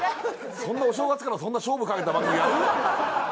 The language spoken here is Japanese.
そんなお正月からそんな勝負かけた番組やる？